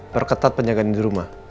perketat penjagaan di rumah